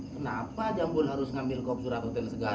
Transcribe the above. kenapa jambul harus ngambil kop surat hotel segala